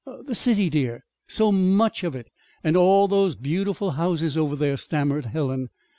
"The city, dear, so much of it, and and all those beautiful houses over there," stammered Helen.